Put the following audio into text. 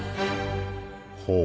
ほう。